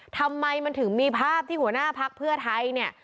ทำไมมันถึงมีภาพที่หัวหน้าพักเพื่อไทยเนี่ย